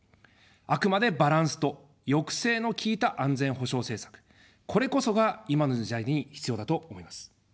あくまでバランスと抑制の効いた安全保障政策、これこそが今の時代に必要だと思います。